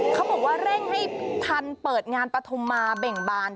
เขาบอกว่าเร่งให้ทันเปิดงานปฐุมมาเบ่งบาน